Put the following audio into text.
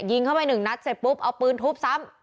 ยิงเข้าไปหนึ่งนัดเสร็จปุ๊บเอาปืนทุบซ้ำ